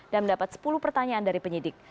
dan mendapat sepuluh pertanyaan dari penyidik